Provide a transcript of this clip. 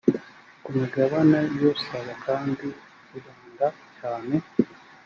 ku migabane y usaba kandi ikibanda cyane